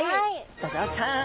ドジョウちゃん！